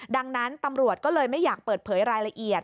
ดังนั้นตำรวจก็เลยไม่อยากเปิดเผยรายละเอียด